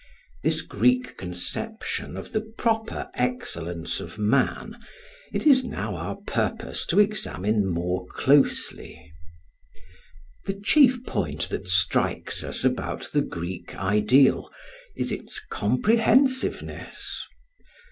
This Greek conception of the proper excellence of man it is now our purpose to examine more closely. The chief point that strikes us about the Greek ideal is its comprehensiveness.